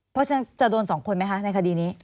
เพราะฉะนั้นจะโดน๒คนไหมคะในคดีนี้